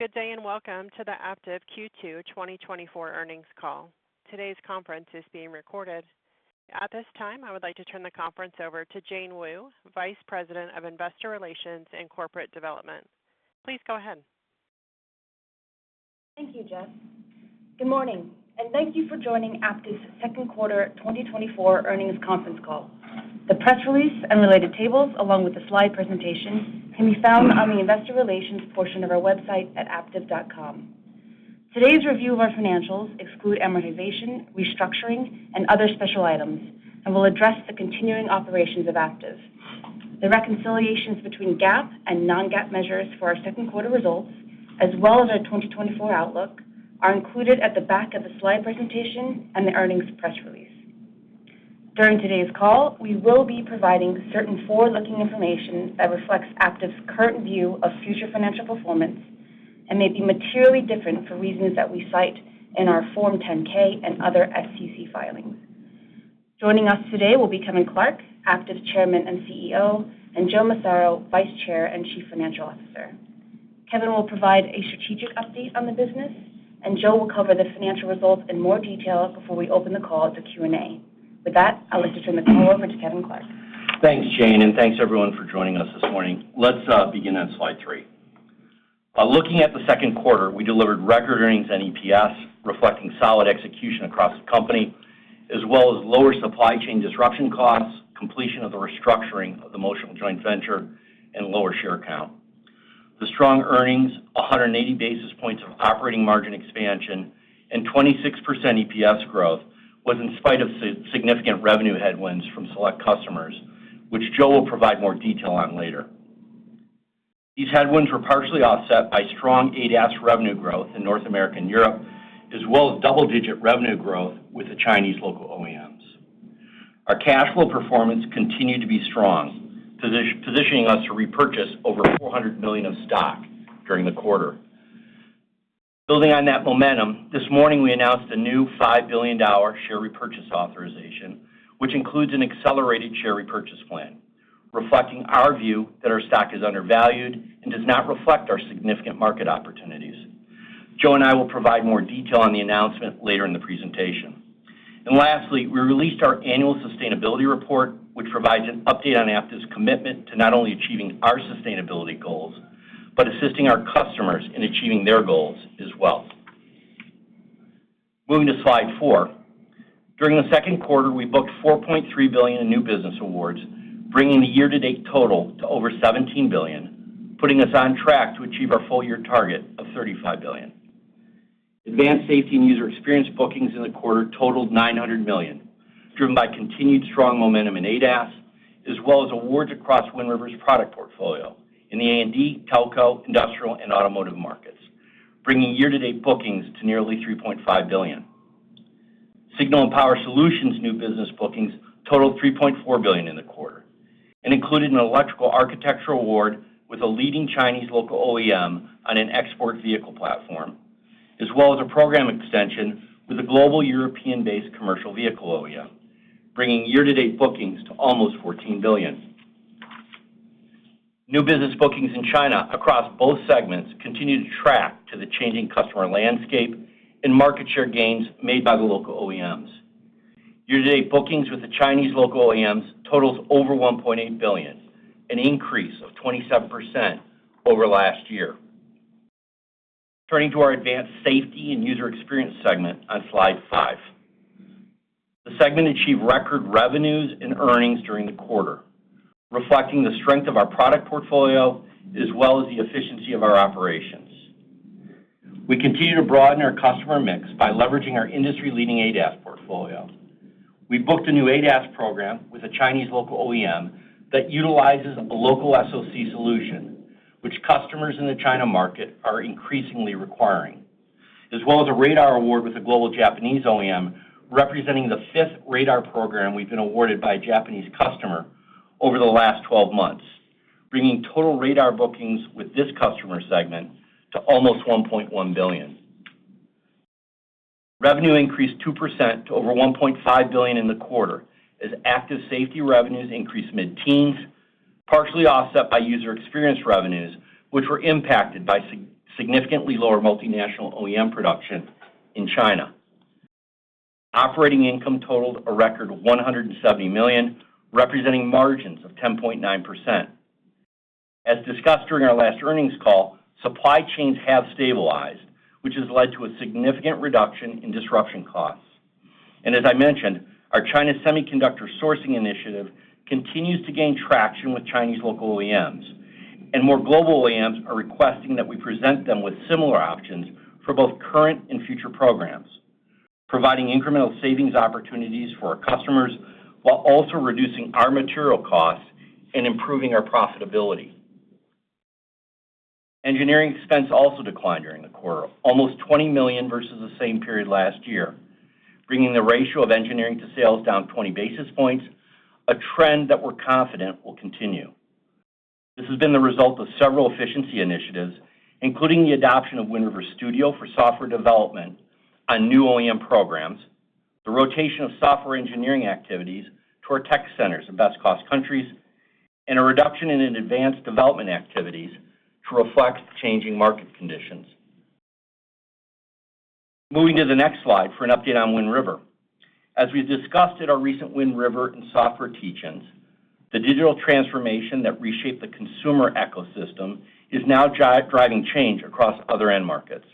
Good day and welcome to the Aptiv Q2 2024 earnings call. Today's conference is being recorded. At this time, I would like to turn the conference over to Jane Wu, Vice President of Investor Relations and Corporate Development. Please go ahead. Thank you, Jess. Good morning, and thank you for joining Aptiv's Second Quarter 2024 Earnings Conference Call. The press release and related tables, along with the slide presentation, can be found on the Investor Relations portion of our website at aptiv.com. Today's review of our financials excludes amortization, restructuring, and other special items, and will address the continuing operations of Aptiv. The reconciliations between GAAP and non-GAAP measures for our second quarter results, as well as our 2024 outlook, are included at the back of the slide presentation and the earnings press release. During today's call, we will be providing certain forward-looking information that reflects Aptiv's current view of future financial performance and may be materially different for reasons that we cite in our Form 10-K and other SEC filings. Joining us today will be Kevin Clark, Aptiv's Chairman and CEO, and Joe Massaro, Vice Chair and Chief Financial Officer. Kevin will provide a strategic update on the business, and Joe will cover the financial results in more detail before we open the call to Q&A. With that, I'd like to turn the call over to Kevin Clark. Thanks, Jane, and thanks everyone for joining us this morning. Let's begin at slide three. Looking at Q2, we delivered record earnings and EPS, reflecting solid execution across the company, as well as lower supply chain disruption costs, completion of the restructuring of the Motional joint venture, and lower share count. The strong earnings, 180 basis points of operating margin expansion, and 26% EPS growth was in spite of significant revenue headwinds from select customers, which Joe will provide more detail on later. These headwinds were partially offset by strong ADAS revenue growth in North America and Europe, as well as double-digit revenue growth with the Chinese local OEMs. Our cash flow performance continued to be strong, positioning us to repurchase over $400 million of stock during the quarter. Building on that momentum, this morning we announced a new $5 billion share repurchase authorization, which includes an accelerated share repurchase plan, reflecting our view that our stock is undervalued and does not reflect our significant market opportunities. Joe and I will provide more detail on the announcement later in the presentation. Lastly, we released our annual sustainability report, which provides an update on Aptiv's commitment to not only achieving our sustainability goals, but assisting our customers in achieving their goals as well. Moving to slide four, during Q2, we booked $4.3 billion in new business awards, bringing the year-to-date total to over $17 billion, putting us on track to achieve our full-year target of $35 billion. Advanced Safety and User Experience bookings in the quarter totaled $900 million, driven by continued strong momentum in ADAS, as well as awards across Wind River's product portfolio in the A&D, telco, industrial, and automotive markets, bringing year-to-date bookings to nearly $3.5 billion. Signal and Power Solutions' new business bookings totaled $3.4 billion in the quarter and included an electrical architecture award with a leading Chinese local OEM on an export vehicle platform, as well as a program extension with a global European-based commercial vehicle OEM, bringing year-to-date bookings to almost $14 billion. New business bookings in China across both segments continue to track to the changing customer landscape and market share gains made by the local OEMs. Year-to-date bookings with the Chinese local OEMs totaled over $1.8 billion, an increase of 27% over last year. Turning to our Advanced Safety and User Experience segment on slide five, the segment achieved record revenues and earnings during the quarter, reflecting the strength of our product portfolio as well as the efficiency of our operations. We continue to broaden our customer mix by leveraging our industry-leading ADAS portfolio. We booked a new ADAS program with a Chinese local OEM that utilizes a local SOC solution, which customers in the China market are increasingly requiring, as well as a radar award with a global Japanese OEM representing the fifth radar program we've been awarded by a Japanese customer over the last 12 months, bringing total radar bookings with this customer segment to almost $1.1 billion. Revenue increased 2% to over $1.5 billion in the quarter as Active Safety revenues increased mid-teens, partially offset by User Experience revenues, which were impacted by significantly lower multinational OEM production in China. Operating income totaled a record $170 million, representing margins of 10.9%. As discussed during our last earnings call, supply chains have stabilized, which has led to a significant reduction in disruption costs. And as I mentioned, our China semiconductor sourcing initiative continues to gain traction with Chinese local OEMs, and more global OEMs are requesting that we present them with similar options for both current and future programs, providing incremental savings opportunities for our customers while also reducing our material costs and improving our profitability. Engineering expense also declined during the quarter, almost $20 million versus the same period last year, bringing the ratio of engineering to sales down 20 basis points, a trend that we're confident will continue. This has been the result of several efficiency initiatives, including the adoption of Wind River Studio for software development on new OEM programs, the rotation of software engineering activities to our tech centers in best-cost countries, and a reduction in advanced development activities to reflect changing market conditions. Moving to the next slide for an update on Wind River. As we've discussed in our recent Wind River and software teach-ins, the digital transformation that reshaped the consumer ecosystem is now driving change across other end markets.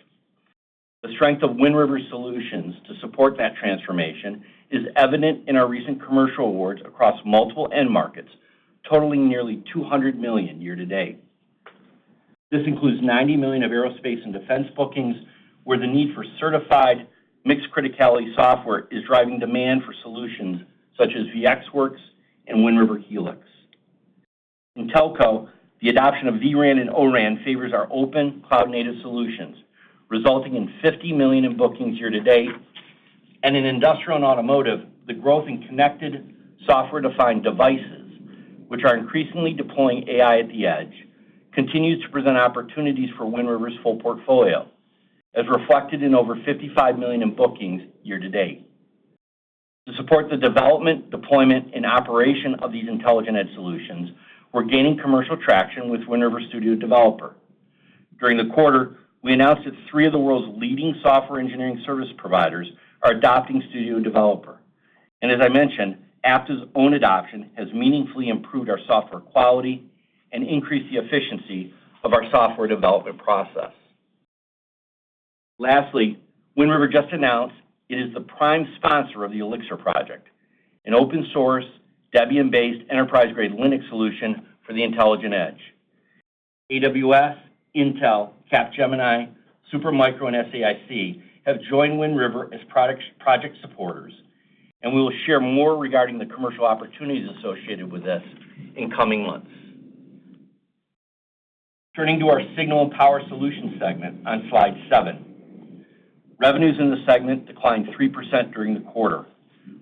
The strength of Wind River's solutions to support that transformation is evident in our recent commercial awards across multiple end markets, totaling nearly $200 million year-to-date. This includes $90 million of aerospace and defense bookings, where the need for certified mixed criticality software is driving demand for solutions such as VxWorks and Wind River Helix. In Telco, the adoption of vRAN and O-RAN favors our open cloud-native solutions, resulting in $50 million in bookings year-to-date. In industrial and automotive, the growth in connected software-defined devices, which are increasingly deploying AI at the edge, continues to present opportunities for Wind River's full portfolio, as reflected in over $55 million in bookings year-to-date. To support the development, deployment, and operation of these intelligent edge solutions, we're gaining commercial traction with Wind River Studio Developer. During the quarter, we announced that three of the world's leading software engineering service providers are adopting Studio Developer. As I mentioned, Aptiv's own adoption has meaningfully improved our software quality and increased the efficiency of our software development process. Lastly, Wind River just announced it is the prime sponsor of the eLxr project, an open-source, Debian-based enterprise-grade Linux solution for the intelligent edge. AWS, Intel, Capgemini, Supermicro, and SAIC have joined Wind River as project supporters, and we will share more regarding the commercial opportunities associated with this in coming months. Turning to our Signal and Power Solutions segment on slide seven, revenues in the segment declined 3% during the quarter,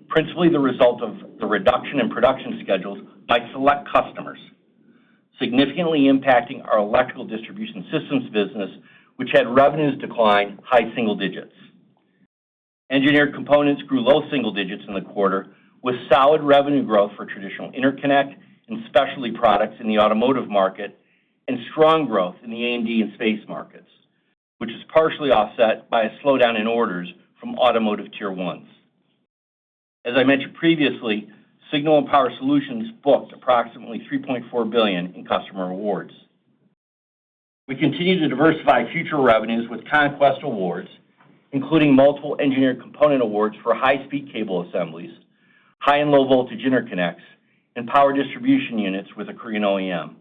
principally the result of the reduction in production schedules by select customers, significantly impacting our Electrical Distribution Systems business, which had revenues decline high single digits. Engineered Components grew low single digits in the quarter with solid revenue growth for traditional interconnect and specialty products in the automotive market and strong growth in the A&D and space markets, which is partially offset by a slowdown in orders from automotive tier ones. As I mentioned previously, Signal and Power Solutions booked approximately $3.4 billion in customer awards. We continue to diversify future revenues with conquest awards, including multiple engineered component awards for high-speed cable assemblies, high and low-voltage interconnects, and power distribution units with a Korean OEM.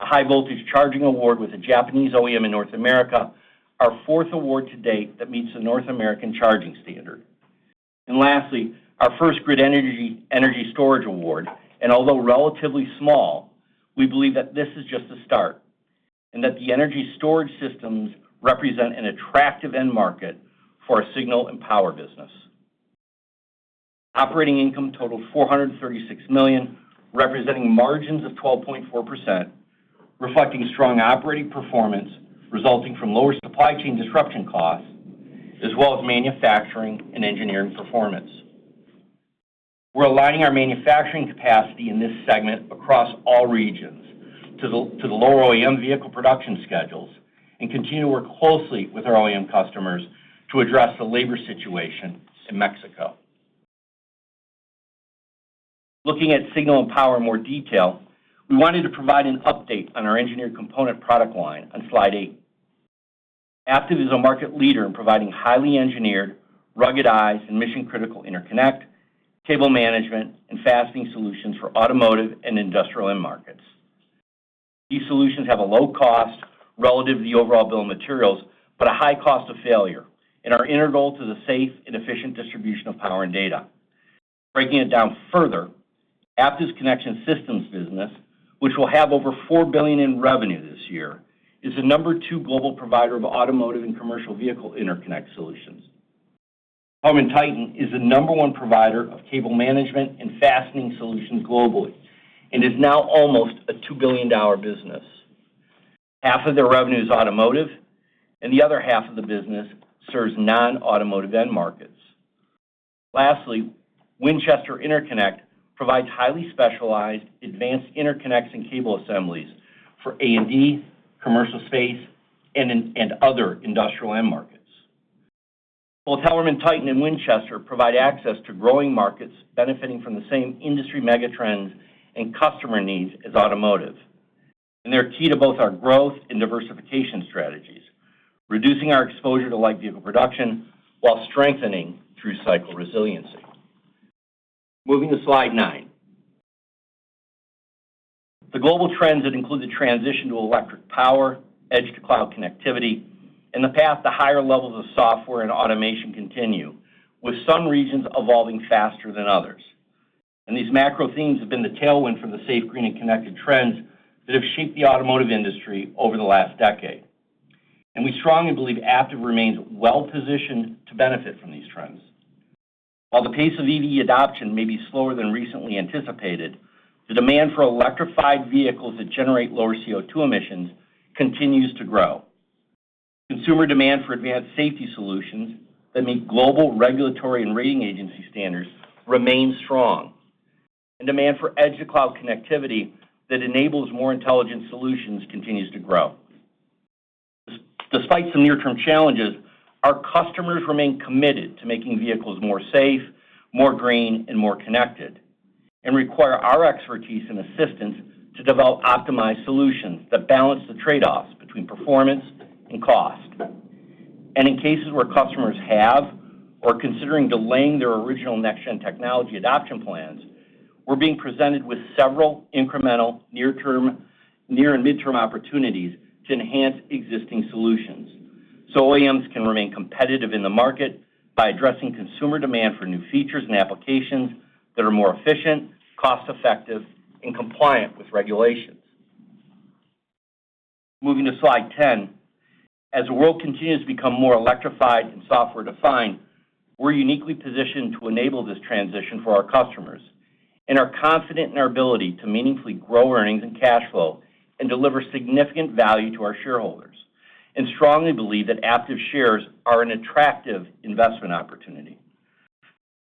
A high-voltage charging award with a Japanese OEM in North America is our fourth award to date that meets the North American Charging Standard. And lastly, our first grid energy storage award, and although relatively small, we believe that this is just the start and that the energy storage systems represent an attractive end market for our signal and power business. Operating income totaled $436 million, representing margins of 12.4%, reflecting strong operating performance resulting from lower supply chain disruption costs, as well as manufacturing and engineering performance. We're aligning our manufacturing capacity in this segment across all regions to the lower OEM vehicle production schedules and continue to work closely with our OEM customers to address the labor situation in Mexico. Looking at Signal and Power in more detail, we wanted to provide an update on our engineered component product line on slide 8. Aptiv is a market leader in providing highly engineered, ruggedized, and mission-critical interconnect, cable management, and fastening solutions for automotive and industrial end markets. These solutions have a low cost relative to the overall bill of materials, but a high cost of failure, and are integral to the safe and efficient distribution of power and data. Breaking it down further, Aptiv's Connection Systems business, which will have over $4 billion in revenue this year, is the number two global provider of automotive and commercial vehicle interconnect solutions. HellermannTyton is the number one provider of cable management and fastening solutions globally and is now almost a $2 billion business. Half of their revenue is automotive, and the other half of the business serves non-automotive end markets. Lastly, Winchester Interconnect provides highly specialized advanced interconnects and cable assemblies for A&D, commercial space, and other industrial end markets. Both HellermannTyton and Winchester provide access to growing markets benefiting from the same industry megatrends and customer needs as automotive, and they're key to both our growth and diversification strategies, reducing our exposure to light vehicle production while strengthening through cycle resiliency. Moving to slide nine. The global trends that include the transition to electric power, edge-to-cloud connectivity, and the path to higher levels of software and automation continue, with some regions evolving faster than others. These macro themes have been the tailwind for the safe, green, and connected trends that have shaped the automotive industry over the last decade. We strongly believe Aptiv remains well-positioned to benefit from these trends. While the pace of EV adoption may be slower than recently anticipated, the demand for electrified vehicles that generate lower CO2 emissions continues to grow. Consumer demand for advanced safety solutions that meet global regulatory and rating agency standards remains strong, and demand for edge-to-cloud connectivity that enables more intelligent solutions continues to grow. Despite some near-term challenges, our customers remain committed to making vehicles more safe, more green, and more connected, and require our expertise and assistance to develop optimized solutions that balance the trade-offs between performance and cost. In cases where customers have or are considering delaying their original next-gen technology adoption plans, we're being presented with several incremental near-term, near and mid-term opportunities to enhance existing solutions so OEMs can remain competitive in the market by addressing consumer demand for new features and applications that are more efficient, cost-effective, and compliant with regulations. Moving to slide 10. As the world continues to become more electrified and software-defined, we're uniquely positioned to enable this transition for our customers and are confident in our ability to meaningfully grow earnings and cash flow and deliver significant value to our shareholders, and strongly believe that Aptiv's shares are an attractive investment opportunity.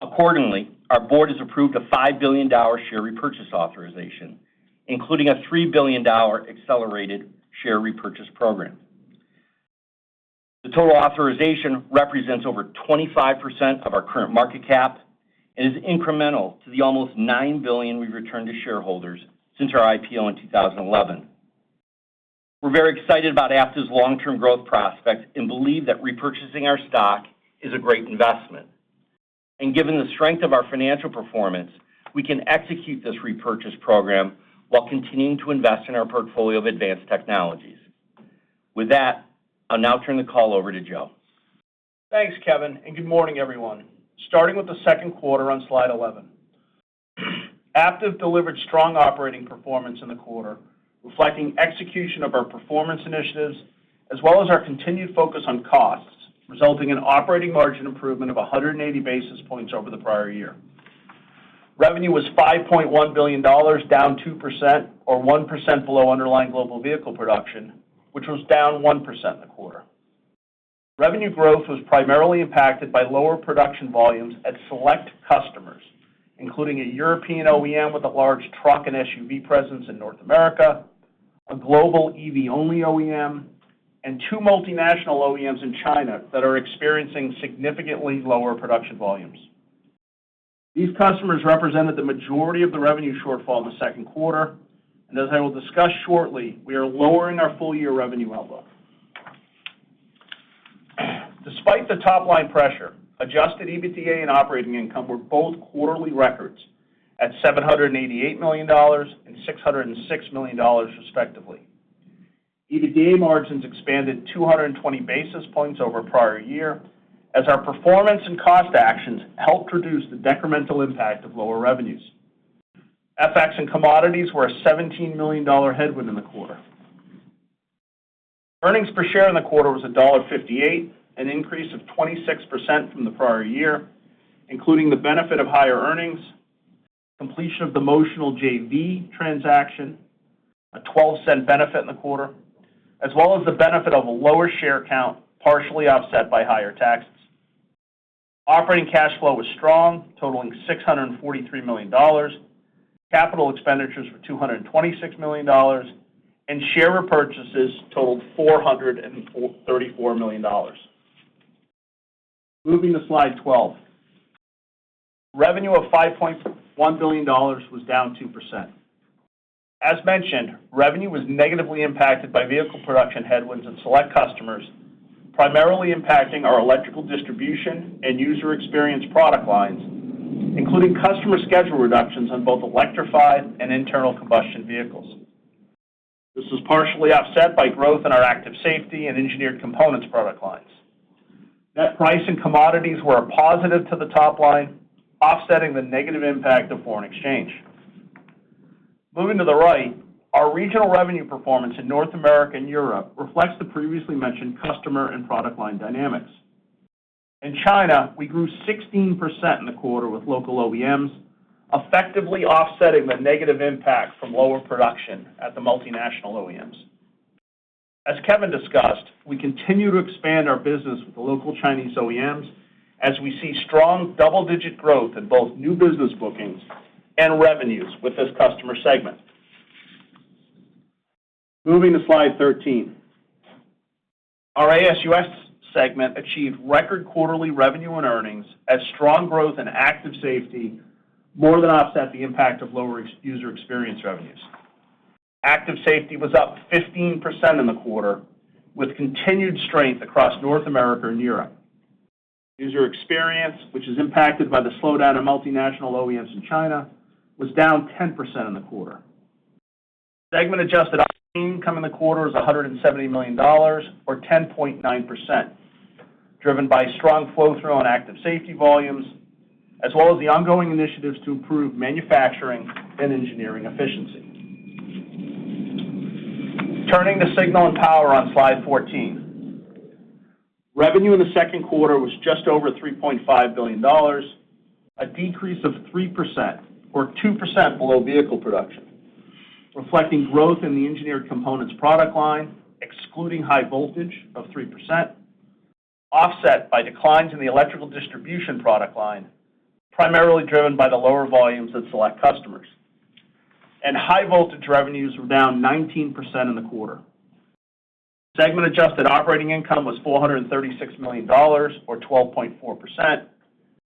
Accordingly, our board has approved a $5 billion share repurchase authorization, including a $3 billion accelerated share repurchase program. The total authorization represents over 25% of our current market cap and is incremental to the almost $9 billion we've returned to shareholders since our IPO in 2011. We're very excited about Aptiv's long-term growth prospects and believe that repurchasing our stock is a great investment. Given the strength of our financial performance, we can execute this repurchase program while continuing to invest in our portfolio of advanced technologies. With that, I'll now turn the call over to Joe. Thanks, Kevin, and good morning, everyone. Starting with Q2 on slide 11. Aptiv delivered strong operating performance in the quarter, reflecting execution of our performance initiatives as well as our continued focus on costs, resulting in operating margin improvement of 180 basis points over the prior year. Revenue was $5.1 billion, down 2% or 1% below underlying global vehicle production, which was down 1% in the quarter. Revenue growth was primarily impacted by lower production volumes at select customers, including a European OEM with a large truck and SUV presence in North America, a global EV-only OEM, and two multinational OEMs in China that are experiencing significantly lower production volumes. These customers represented the majority of the revenue shortfall in Q2, and as I will discuss shortly, we are lowering our full-year revenue outlook. Despite the top-line pressure, adjusted EBITDA and operating income were both quarterly records at $788 million and $606 million, respectively. EBITDA margins expanded 220 basis points over a prior year as our performance and cost actions helped reduce the decremental impact of lower revenues. FX and commodities were a $17 million headwind in the quarter. Earnings per share in the quarter was $1.58, an increase of 26% from the prior year, including the benefit of higher earnings, completion of the Motional JV transaction, a $0.12 benefit in the quarter, as well as the benefit of a lower share count partially offset by higher taxes. Operating cash flow was strong, totaling $643 million. Capital expenditures were $226 million, and share repurchases totaled $434 million. Moving to slide 12. Revenue of $5.1 billion was down 2%. As mentioned, revenue was negatively impacted by vehicle production headwinds at select customers, primarily impacting our electrical distribution and user experience product lines, including customer schedule reductions on both electrified and internal combustion vehicles. This was partially offset by growth in our active safety and engineered components product lines. Net price and commodities were a positive to the top line, offsetting the negative impact of foreign exchange. Moving to the right, our regional revenue performance in North America and Europe reflects the previously mentioned customer and product line dynamics. In China, we grew 16% in the quarter with local OEMs, effectively offsetting the negative impact from lower production at the multinational OEMs. As Kevin discussed, we continue to expand our business with local Chinese OEMs as we see strong double-digit growth in both new business bookings and revenues with this customer segment. Moving to slide 13. Our AS&UX segment achieved record quarterly revenue and earnings as strong growth in Active Safety more than offset the impact of lower User Experience revenues. Active Safety was up 15% in the quarter, with continued strength across North America and Europe. User Experience, which is impacted by the slowdown in multinational OEMs in China, was down 10% in the quarter. Segment-adjusted income in the quarter was $170 million or 10.9%, driven by strong flow-through on Active Safety volumes, as well as the ongoing initiatives to improve manufacturing and engineering efficiency. Turning to Signal and Power on slide 14. Revenue in Q2 was just over $3.5 billion, a decrease of 3% or 2% below vehicle production, reflecting growth in the Engineered Components product line, excluding high voltage of 3%, offset by declines in the Electrical Distribution product line, primarily driven by the lower volumes that select customers. And high voltage revenues were down 19% in the quarter. Segment-adjusted operating income was $436 million or 12.4%,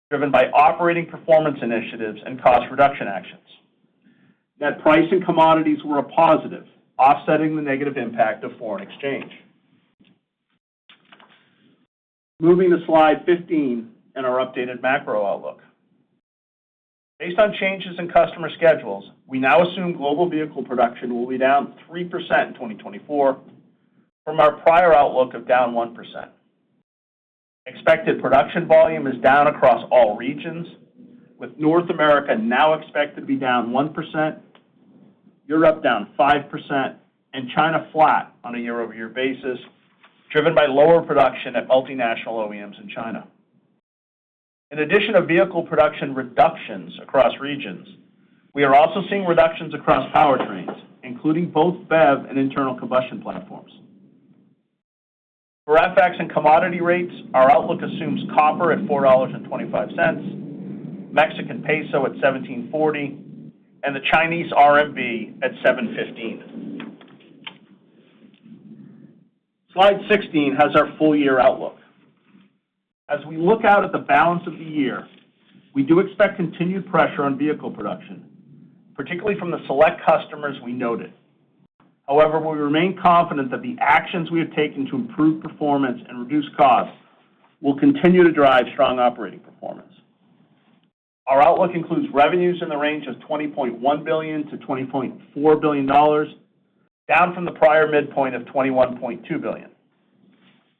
driven by operating performance initiatives and cost reduction actions. Net price and commodities were a positive, offsetting the negative impact of foreign exchange. Moving to slide 15 in our updated macro outlook. Based on changes in customer schedules, we now assume global vehicle production will be down 3% in 2024 from our prior outlook of down 1%. Expected production volume is down across all regions, with North America now expected to be down 1%, Europe down 5%, and China flat on a year-over-year basis, driven by lower production at multinational OEMs in China. In addition to vehicle production reductions across regions, we are also seeing reductions across powertrains, including both BEV and internal combustion platforms. For FX and commodity rates, our outlook assumes copper at $4.25, Mexican peso at 17.40, and the Chinese RMB at 7.15. Slide 16 has our full-year outlook. As we look out at the balance of the year, we do expect continued pressure on vehicle production, particularly from the select customers we noted. However, we remain confident that the actions we have taken to improve performance and reduce costs will continue to drive strong operating performance. Our outlook includes revenues in the range of $20.1 billion to $20.4 billion, down from the prior midpoint of $21.2 billion,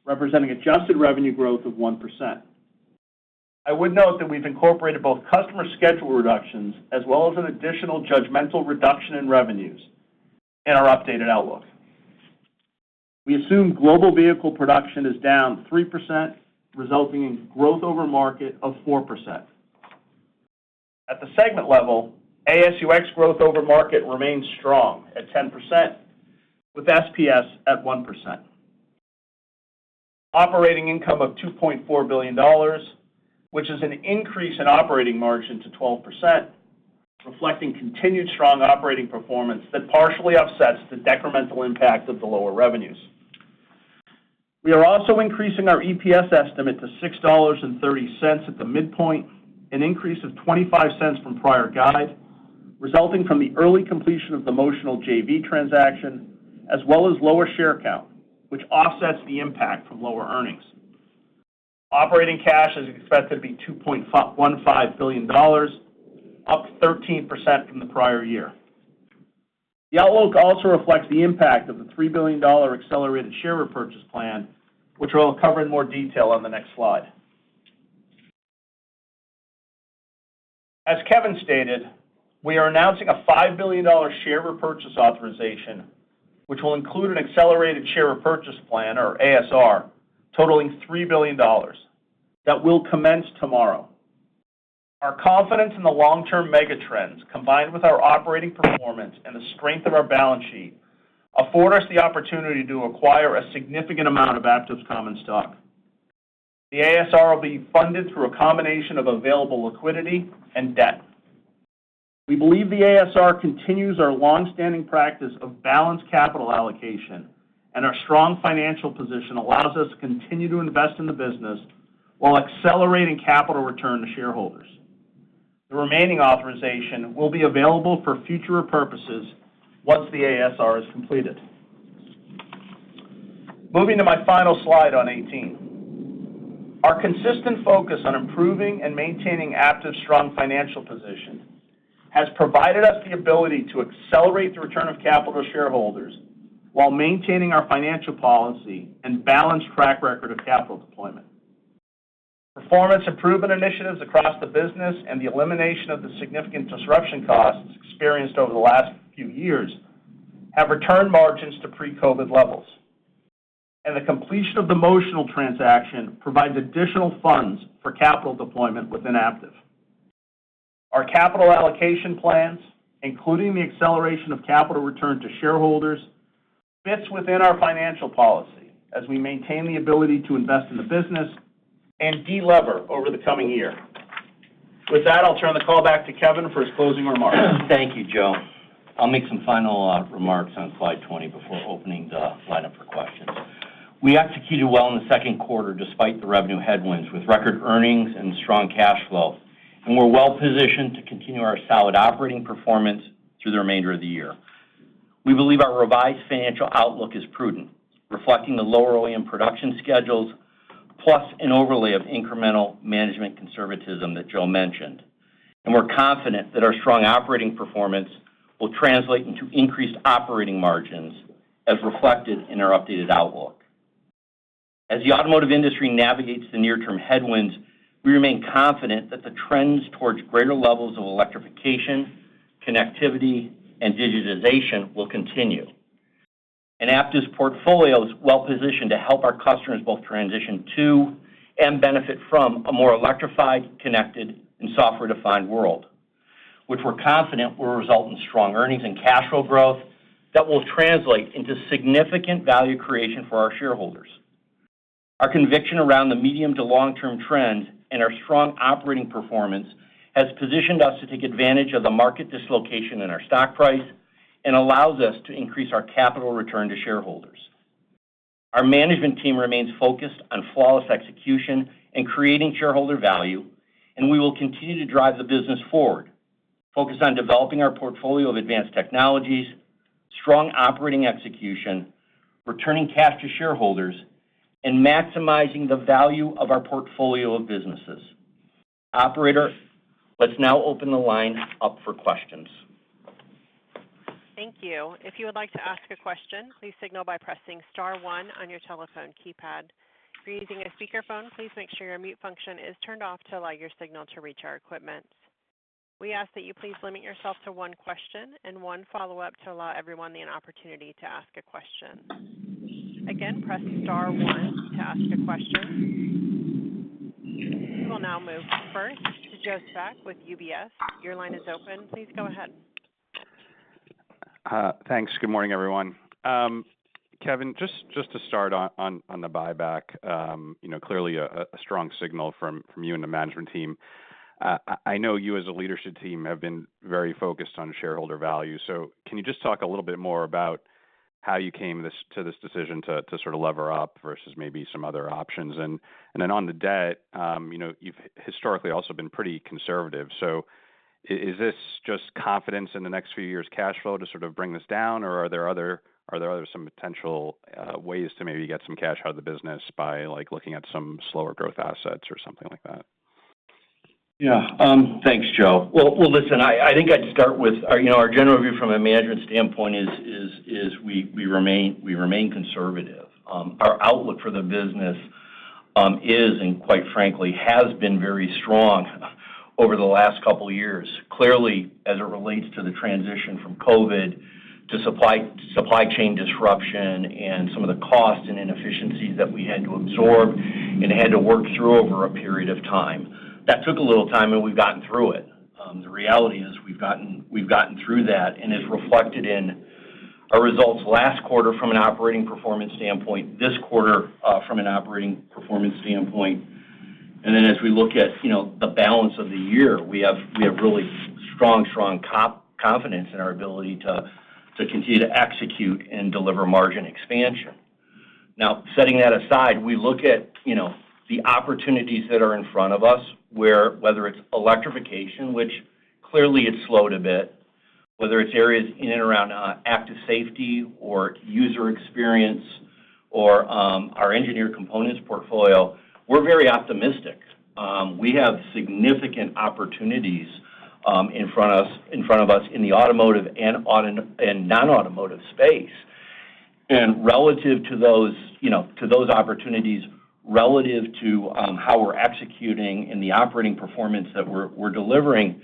representing adjusted revenue growth of 1%. I would note that we've incorporated both customer schedule reductions as well as an additional judgmental reduction in revenues in our updated outlook. We assume global vehicle production is down 3%, resulting in growth over market of 4%. At the segment level, ASUX growth over market remains strong at 10%, with SPS at 1%. Operating income of $2.4 billion, which is an increase in operating margin to 12%, reflecting continued strong operating performance that partially offsets the decremental impact of the lower revenues. We are also increasing our EPS estimate to $6.30 at the midpoint, an increase of $0.25 from prior guide, resulting from the early completion of the Motional JV transaction, as well as lower share count, which offsets the impact from lower earnings. Operating cash is expected to be $2.15 billion, up 13% from the prior year. The outlook also reflects the impact of the $3 billion accelerated share repurchase plan, which I'll cover in more detail on the next slide. As Kevin stated, we are announcing a $5 billion share repurchase authorization, which will include an accelerated share repurchase plan, or ASR, totaling $3 billion, that will commence tomorrow. Our confidence in the long-term mega trends, combined with our operating performance and the strength of our balance sheet, afford us the opportunity to acquire a significant amount of Aptiv's common stock. The ASR will be funded through a combination of available liquidity and debt. We believe the ASR continues our long-standing practice of balanced capital allocation, and our strong financial position allows us to continue to invest in the business while accelerating capital return to shareholders. The remaining authorization will be available for future purposes once the ASR is completed. Moving to my final slide on 18. Our consistent focus on improving and maintaining Aptiv's strong financial position has provided us the ability to accelerate the return of capital to shareholders while maintaining our financial policy and balanced track record of capital deployment. Performance improvement initiatives across the business and the elimination of the significant disruption costs experienced over the last few years have returned margins to pre-COVID levels, and the completion of the Motional transaction provides additional funds for capital deployment within Aptiv. Our capital allocation plans, including the acceleration of capital return to shareholders, fits within our financial policy as we maintain the ability to invest in the business and delever over the coming year. With that, I'll turn the call back to Kevin for his closing remarks. Thank you, Joe. I'll make some final remarks on slide 20 before opening the lineup for questions. We executed well in Q2 despite the revenue headwinds with record earnings and strong cash flow, and we're well positioned to continue our solid operating performance through the remainder of the year. We believe our revised financial outlook is prudent, reflecting the lower OEM production schedules, plus an overlay of incremental management conservatism that Joe mentioned, and we're confident that our strong operating performance will translate into increased operating margins as reflected in our updated outlook. As the automotive industry navigates the near-term headwinds, we remain confident that the trends towards greater levels of electrification, connectivity, and digitization will continue. Aptiv's portfolio is well-positioned to help our customers both transition to and benefit from a more electrified, connected, and software-defined world, which we're confident will result in strong earnings and cash flow growth that will translate into significant value creation for our shareholders. Our conviction around the medium to long-term trends and our strong operating performance has positioned us to take advantage of the market dislocation in our stock price and allows us to increase our capital return to shareholders. Our management team remains focused on flawless execution and creating shareholder value, and we will continue to drive the business forward, focus on developing our portfolio of advanced technologies, strong operating execution, returning cash to shareholders, and maximizing the value of our portfolio of businesses. Operator, let's now open the line up for questions. Thank you. If you would like to ask a question, please signal by pressing star one on your telephone keypad. If you're using a speakerphone, please make sure your mute function is turned off to allow your signal to reach our equipment. We ask that you please limit yourself to one question and one follow-up to allow everyone the opportunity to ask a question. Again, press star one to ask a question. We will now move first to Joe Spak with UBS. Your line is open. Please go ahead. Thanks. Good morning, everyone. Kevin, just to start on the buyback, clearly a strong signal from you and the management team. I know you, as a leadership team, have been very focused on shareholder value. So can you just talk a little bit more about how you came to this decision to sort of lever up versus maybe some other options? And then on the debt, you've historically also been pretty conservative. So is this just confidence in the next few years' cash flow to sort of bring this down, or are there other some potential ways to maybe get some cash out of the business by looking at some slower growth assets or something like that? Yeah. Thanks, Joe. Well, listen, I think I'd start with our general view from a management standpoint is we remain conservative. Our outlook for the business is, and quite frankly, has been very strong over the last couple of years, clearly as it relates to the transition from COVID to supply chain disruption and some of the costs and inefficiencies that we had to absorb and had to work through over a period of time. That took a little time, and we've gotten through it. The reality is we've gotten through that, and it's reflected in our results last quarter from an operating performance standpoint, this quarter from an operating performance standpoint. Then as we look at the balance of the year, we have really strong, strong confidence in our ability to continue to execute and deliver margin expansion. Now, setting that aside, we look at the opportunities that are in front of us, whether it's electrification, which clearly has slowed a bit, whether it's areas in and around active safety or user experience or our engineered components portfolio. We're very optimistic. We have significant opportunities in front of us in the automotive and non-automotive space. And relative to those opportunities, relative to how we're executing and the operating performance that we're delivering,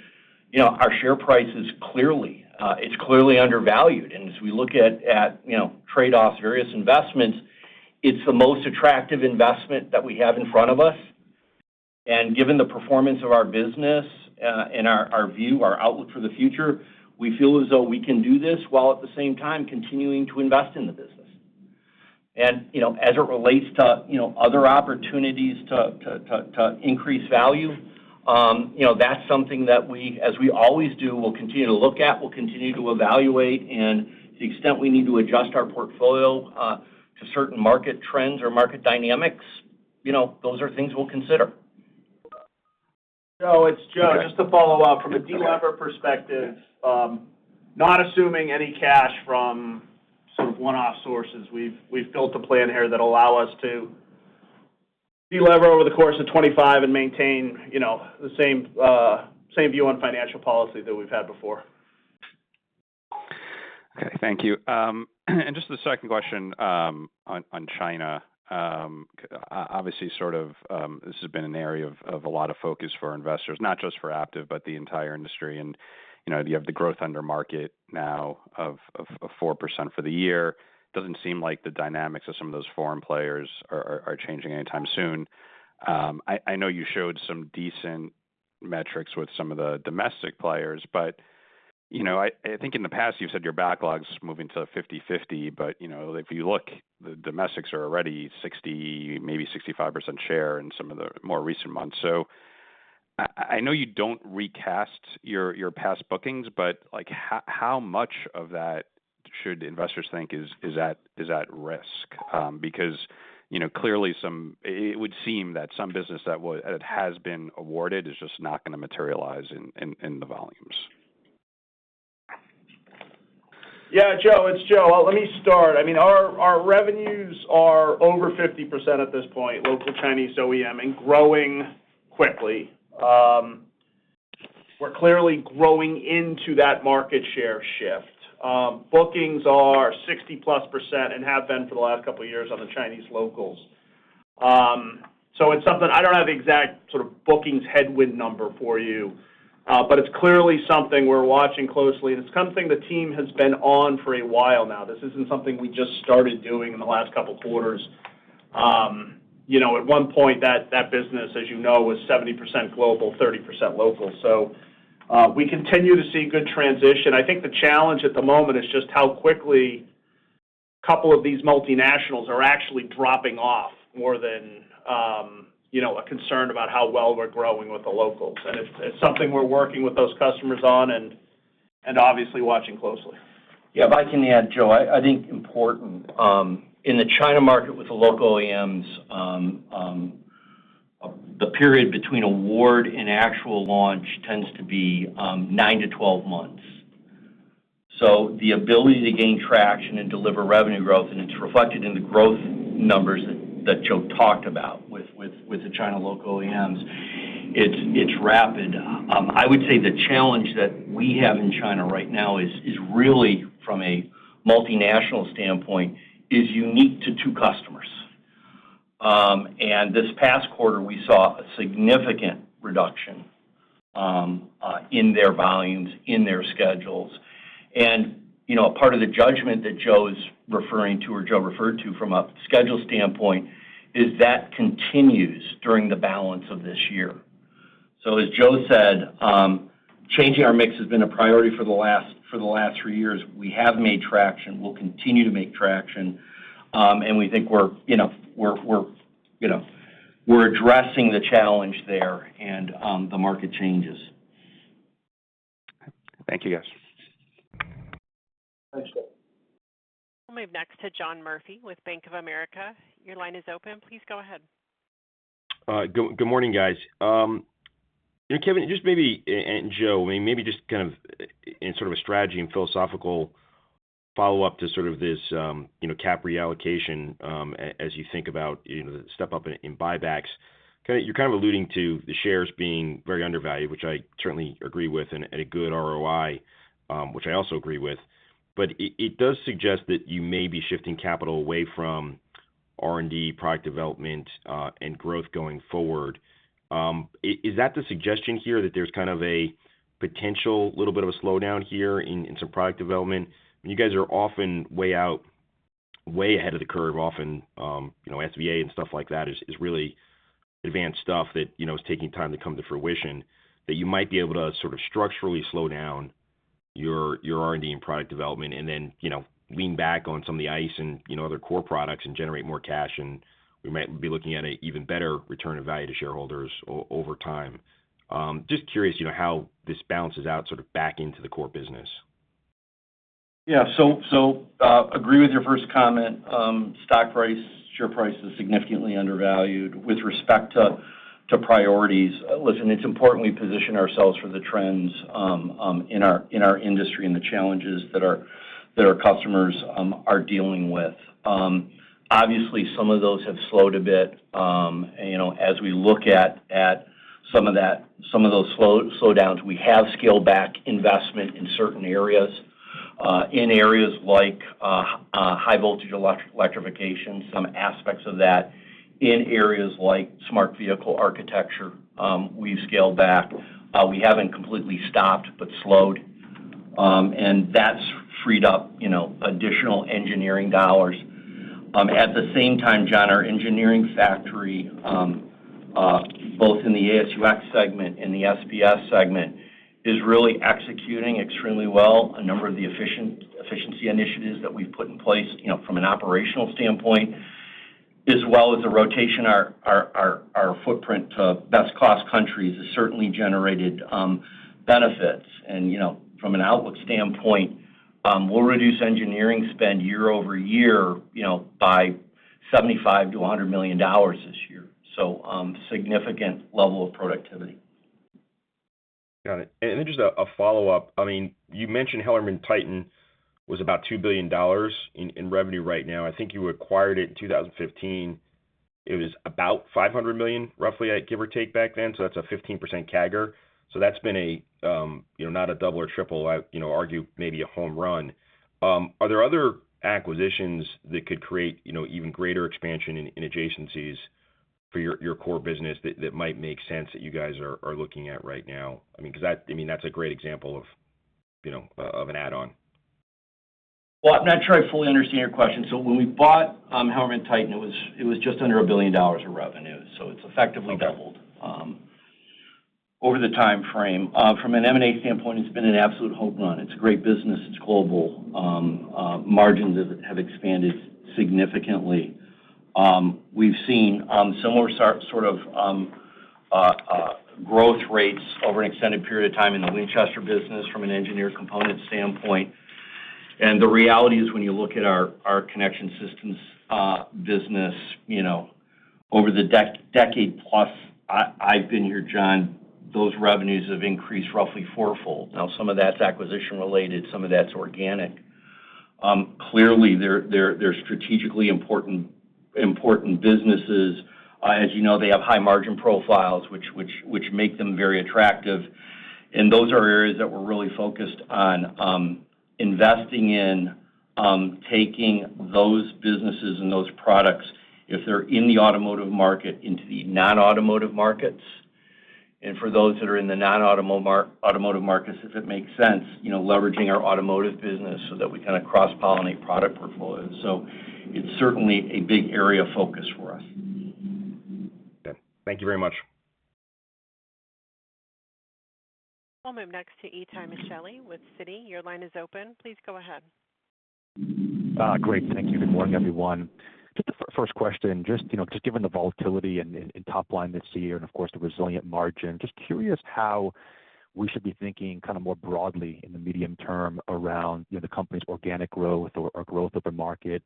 our share price is clearly undervalued. And as we look at trade-offs, various investments, it's the most attractive investment that we have in front of us. And given the performance of our business and our view, our outlook for the future, we feel as though we can do this while at the same time continuing to invest in the business. And as it relates to other opportunities to increase value, that's something that we, as we always do, will continue to look at, will continue to evaluate. And to the extent we need to adjust our portfolio to certain market trends or market dynamics, those are things we'll consider. So it's Joe, just to follow up from a delever perspective, not assuming any cash from sort of one-off sources, we've built a plan here that will allow us to delever over the course of 2025 and maintain the same view on financial policy that we've had before. Okay. Thank you. And just the second question on China. Obviously, sort of this has been an area of a lot of focus for investors, not just for Aptiv, but the entire industry. And you have the growth under market now of 4% for the year. Doesn't seem like the dynamics of some of those foreign players are changing anytime soon. I know you showed some decent metrics with some of the domestic players, but I think in the past, you've said your backlog's moving to 50/50, but if you look, the domestics are already 60, maybe 65% share in some of the more recent months. So I know you don't recast your past bookings, but how much of that should investors think is at risk? Because clearly, it would seem that some business that has been awarded is just not going to materialize in the volumes. Yeah. Joe, it's Joe. Well, let me start. I mean, our revenues are over 50% at this point, local Chinese OEM, and growing quickly. We're clearly growing into that market share shift. Bookings are 60+% and have been for the last couple of years on the Chinese locals. So it's something I don't have the exact sort of bookings headwind number for you, but it's clearly something we're watching closely. It's something the team has been on for a while now. This isn't something we just started doing in the last couple of quarters. At one point, that business, as you know, was 70% global, 30% local. So we continue to see good transition. I think the challenge at the moment is just how quickly a couple of these multinationals are actually dropping off more than a concern about how well we're growing with the locals. And it's something we're working with those customers on and obviously watching closely. Yeah. If I can add, Joe, I think important in the China market with the local OEMs, the period between award and actual launch tends to be nine to 12 months. So the ability to gain traction and deliver revenue growth, and it's reflected in the growth numbers that Joe talked about with the China local OEMs, it's rapid. I would say the challenge that we have in China right now is really, from a multinational standpoint, is unique to two customers. And this past quarter, we saw a significant reduction in their volumes, in their schedules. And part of the judgment that Joe is referring to, or Joe referred to from a schedule standpoint, is that continues during the balance of this year. So as Joe said, changing our mix has been a priority for the last three years. We have made traction. We'll continue to make traction. And we think we're addressing the challenge there and the market changes. Thank you, guys. Thanks, Joe. We'll move next to John Murphy with Bank of America. Your line is open. Please go ahead. Good morning, guys. Kevin, just maybe and Joe, maybe just kind of in sort of a strategy and philosophical follow-up to sort of this CapEx reallocation as you think about the step-up in buybacks. Kind of you're kind of alluding to the shares being very undervalued, which I certainly agree with, and a good ROI, which I also agree with. But it does suggest that you may be shifting capital away from R&D, product development, and growth going forward. Is that the suggestion here that there's kind of a potential little bit of a slowdown here in some product development? I mean, you guys are often way ahead of the curve. Often, SVA and stuff like that is really advanced stuff that is taking time to come to fruition, that you might be able to sort of structurally slow down your R&D and product development and then lean back on some of the ICE and other core products and generate more cash, and we might be looking at an even better return of value to shareholders over time. Just curious how this balances out sort of back into the core business. Yeah. So agree with your first comment. Stock price, share price is significantly undervalued with respect to priorities. Listen, it's important we position ourselves for the trends in our industry and the challenges that our customers are dealing with. Obviously, some of those have slowed a bit. As we look at some of those slowdowns, we have scaled back investment in certain areas, in areas like high-voltage electrification, some aspects of that, in areas like Smart Vehicle Architecture. We've scaled back. We haven't completely stopped, but slowed. And that's freed up additional engineering dollars. At the same time, John, our engineering factory, both in the ASUX segment and the SPS segment, is really executing extremely well. A number of the efficiency initiatives that we've put in place from an operational standpoint, as well as the rotation, our footprint to best-class countries has certainly generated benefits. And from an outlook standpoint, we'll reduce engineering spend year-over-year by $75 million to $100 million this year. So significant level of productivity. Got it. And then just a follow-up. I mean, you mentioned HellermannTyton was about $2 billion in revenue right now. I think you acquired it in 2015. It was about $500 million, roughly, give or take back then. So that's a 15% CAGR. So that's been not a double or triple, I'd argue maybe a home run. Are there other acquisitions that could create even greater expansion in adjacencies for your core business that might make sense that you guys are looking at right now? I mean, that's a great example of an add-on. Well, I'm not sure I fully understand your question. So when we bought HellermannTyton, it was just under $1 billion in revenue. So it's effectively doubled over the time frame. From an M&A standpoint, it's been an absolute home run. It's a great business. It's global. Margins have expanded significantly. We've seen similar sort of growth rates over an extended period of time in the Winchester business from an engineered component standpoint. And the reality is when you look at our connection systems business, over the decade-plus I've been here, John, those revenues have increased roughly fourfold. Now, some of that's acquisition-related. Some of that's organic. Clearly, they're strategically important businesses. As you know, they have high margin profiles, which make them very attractive. And those are areas that we're really focused on investing in, taking those businesses and those products, if they're in the automotive market, into the non-automotive markets. And for those that are in the non-automotive markets, if it makes sense, leveraging our automotive business so that we kind of cross-pollinate product portfolios. So it's certainly a big area of focus for us. Okay. Thank you very much. We'll move next to Itay Michaeli with Citi. Your line is open. Please go ahead. Great. Thank you. Good morning, everyone. Just the first question, just given the volatility and top line this year and, of course, the resilient margin, just curious how we should be thinking kind of more broadly in the medium term around the company's organic growth or growth of the market,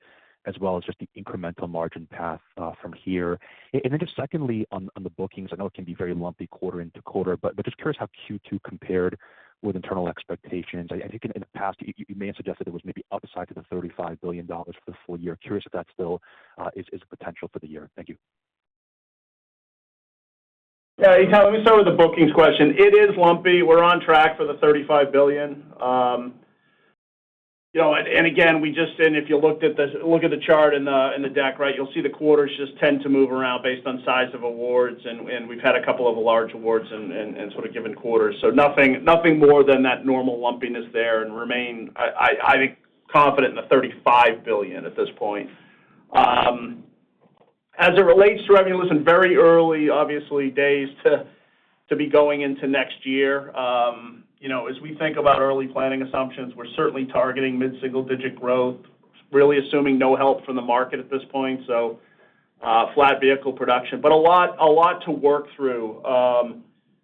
as well as just the incremental margin path from here. And then just secondly, on the bookings, I know it can be very lumpy quarter into quarter, but just curious how Q2 compared with internal expectations. I think in the past, you may have suggested it was maybe upside to the $35 billion for the full year. Curious if that still is a potential for the year. Thank you. Yeah. Let me start with the bookings question. It is lumpy. We're on track for the $35 billion. And again, we just didn't—if you look at the chart in the deck, right, you'll see the quarters just tend to move around based on size of awards. And we've had a couple of large awards in sort of given quarters. So nothing more than that normal lumpiness there and remain—I think confident in the $35 billion at this point. As it relates to revenue, listen, very early, obviously, days to be going into next year. As we think about early planning assumptions, we're certainly targeting mid-single-digit growth, really assuming no help from the market at this point. So flat vehicle production. But a lot to work through,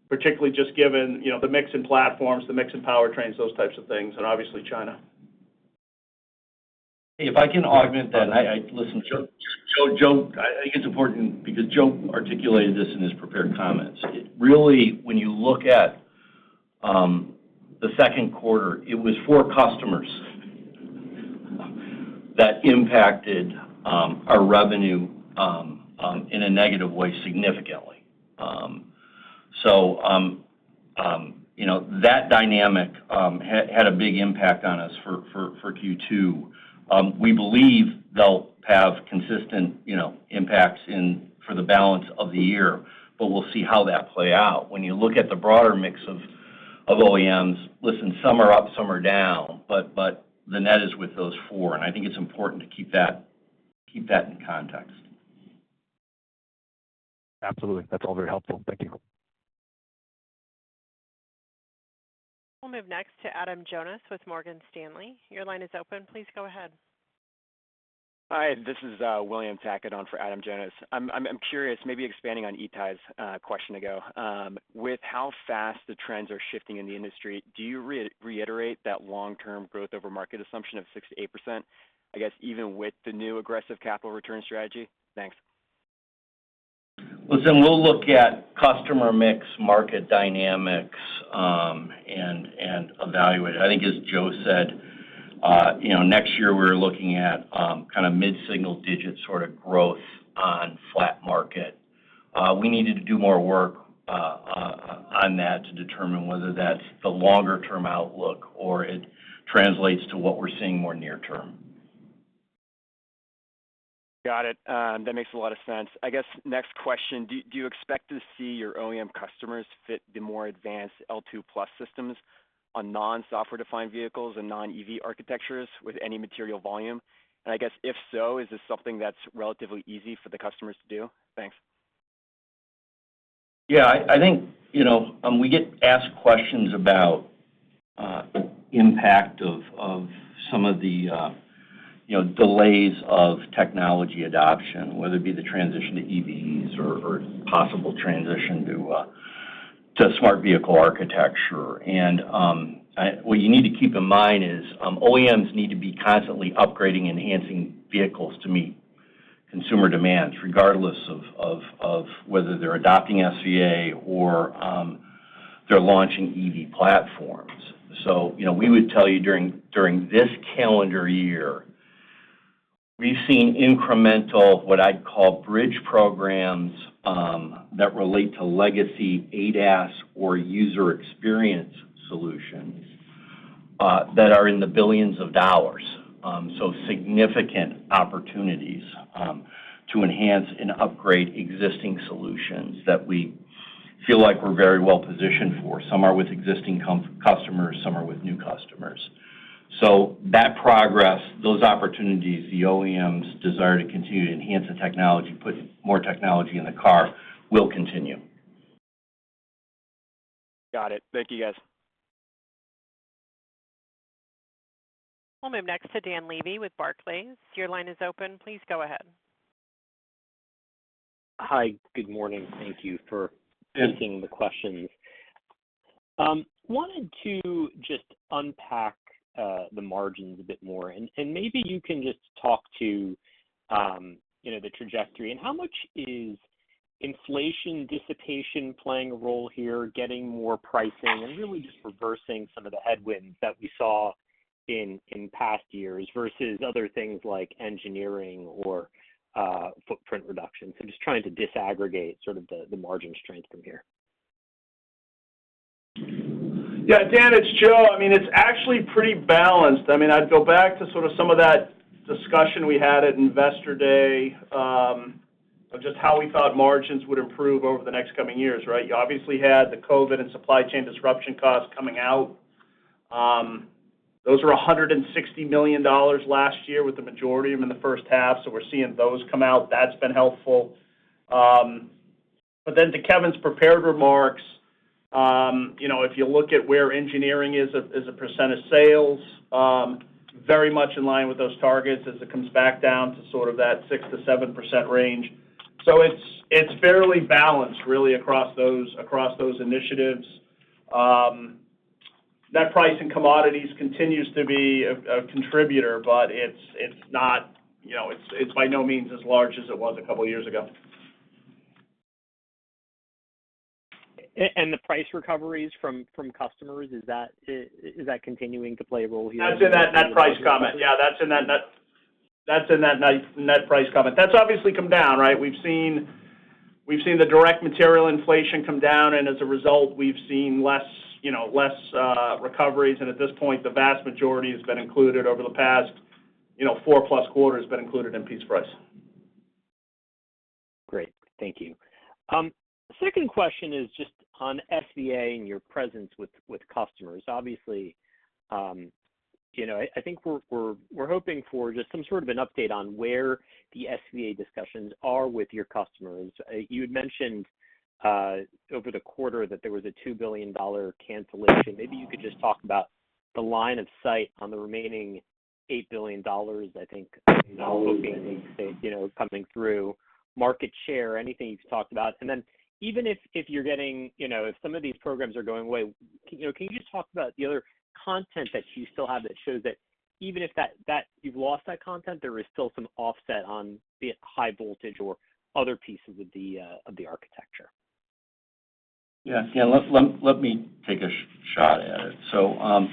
particularly just given the mix in platforms, the mix in powertrains, those types of things, and obviously China. If I can augment that, listen, Joe, I think it's important because Joe articulated this in his prepared comments. Really, when you look at Q2, it was four customers that impacted our revenue in a negative way significantly. So that dynamic had a big impact on us for Q2. We believe they'll have consistent impacts for the balance of the year, but we'll see how that plays out. When you look at the broader mix of OEMs, listen, some are up, some are down, but the net is with those four. And I think it's important to keep that in context. Absolutely. That's all very helpful. Thank you. We'll move next to Adam Jonas with Morgan Stanley. Your line is open. Please go ahead. Hi. This is William Tackett for Adam Jonas. I'm curious, maybe expanding on Itay's question ago. With how fast the trends are shifting in the industry, do you reiterate that long-term growth over market assumption of 6% to 8%, I guess, even with the new aggressive capital return strategy? Thanks. Listen, we'll look at customer mix, market dynamics, and evaluate. I think, as Joe said, next year, we're looking at kind of mid-single-digit sort of growth on flat market. We needed to do more work on that to determine whether that's the longer-term outlook or it translates to what we're seeing more near term. Got it. That makes a lot of sense. I guess next question, do you expect to see your OEM customers fit the more advanced L2+ systems on non-software-defined vehicles and non-EV architectures with any material volume? And I guess if so, is this something that's relatively easy for the customers to do? Thanks. Yeah. I think we get asked questions about the impact of some of the delays of technology adoption, whether it be the transition to EVs or possible transition to Smart Vehicle Architecture. And what you need to keep in mind is OEMs need to be constantly upgrading and enhancing vehicles to meet consumer demands, regardless of whether they're adopting SVA or they're launching EV platforms. So we would tell you during this calendar year, we've seen incremental, what I'd call, bridge programs that relate to legacy ADAS or user experience solutions that are in the $ billions. So significant opportunities to enhance and upgrade existing solutions that we feel like we're very well positioned for. Some are with existing customers. Some are with new customers. So that progress, those opportunities, the OEMs' desire to continue to enhance the technology, put more technology in the car, will continue. Got it. Thank you, guys. We'll move next to Dan Levy with Barclays. Your line is open. Please go ahead. Hi. Good morning. Thank you for answering the questions. Wanted to just unpack the margins a bit more. And maybe you can just talk to the trajectory. And how much is inflation dissipation playing a role here, getting more pricing, and really just reversing some of the headwinds that we saw in past years versus other things like engineering or footprint reduction? So just trying to disaggregate sort of the margin strength from here. Yeah. Dan, it's Joe. I mean, it's actually pretty balanced. I mean, I'd go back to sort of some of that discussion we had at Investor Day of just how we thought margins would improve over the next coming years, right? You obviously had the COVID and supply chain disruption costs coming out. Those were $160 million last year with the majority of them in the first half. So we're seeing those come out. That's been helpful. But then to Kevin's prepared remarks, if you look at where engineering is as a percent of sales, very much in line with those targets as it comes back down to sort of that 6% to 7% range. So it's fairly balanced, really, across those initiatives. That price in commodities continues to be a contributor, but it's not by no means as large as it was a couple of years ago. And the price recoveries from customers, is that continuing to play a role here? That's in that price comment. Yeah. That's in that net price comment. That's obviously come down, right? We've seen the direct material inflation come down. And as a result, we've seen less recoveries. At this point, the vast majority has been included over the past 4+ quarters has been included in piece price. Great. Thank you. Second question is just on SVA and your presence with customers. Obviously, I think we're hoping for just some sort of an update on where the SVA discussions are with your customers. You had mentioned over the quarter that there was a $2 billion cancellation. Maybe you could just talk about the line of sight on the remaining $8 billion, I think, coming through market share, anything you've talked about. And then even if you're getting if some of these programs are going away, can you just talk about the other content that you still have that shows that even if you've lost that content, there is still some offset on the high voltage or other pieces of the architecture? Yeah. Yeah. Let me take a shot at it. So